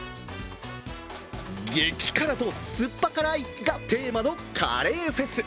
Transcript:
激辛とすっぱ辛いがテーマのカレーフェス。